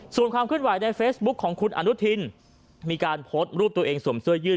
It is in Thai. ส่วนความเคลื่อนไหวในเฟซบุ๊คของคุณอนุทินมีการโพสต์รูปตัวเองสวมเสื้อยืด